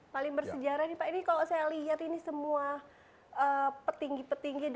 paling bersejarah nih pak ini kalau saya lihat ini semua petinggi petinggi